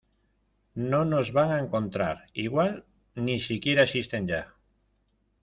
no nos van a encontrar. igual, ni si quiera existen ya .